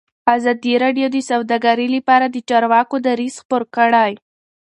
ازادي راډیو د سوداګري لپاره د چارواکو دریځ خپور کړی.